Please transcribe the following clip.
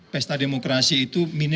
pesta demokrasi itu transaksional